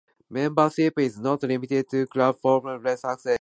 Membership is not limited to clubs from West Sussex.